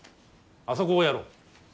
あそこをやろう。